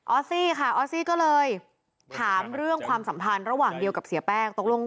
ซี่ค่ะออสซี่ก็เลยถามเรื่องความสัมพันธ์ระหว่างเดียวกับเสียแป้งตกลง